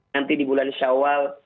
nanti di bulan shawwal